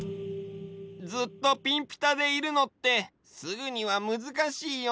ずっとピンピタでいるのってすぐにはむずかしいよね。